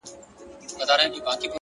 • نه یې حال نه یې راتلونکی معلومېږي,